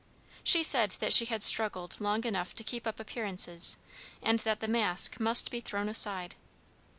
She said that she had struggled long enough to keep up appearances, and that the mask must be thrown aside.